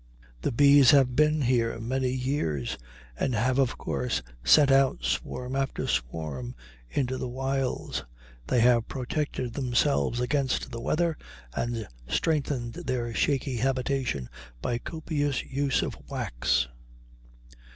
The bees have been here many years, and have of course sent out swarm after swarm into the wilds. They have protected themselves against the weather and strengthened their shaky habitation by a copious use of wax.